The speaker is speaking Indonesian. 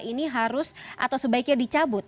ini harus atau sebaiknya dicabut